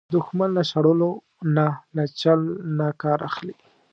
دښمن له شړلو نه، له چل نه کار اخلي